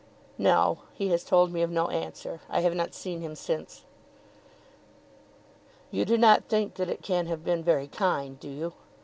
"No; he has told me of no answer. I have not seen him since." "You do not think that it can have been very kind, do you?